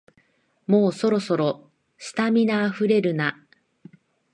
もうそろそろ、スタミナあふれるな